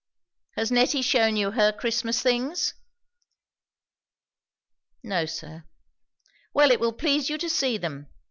"Has Nettie shewn you her Christmas things?" "No, sir." "Well, it will please you to see them.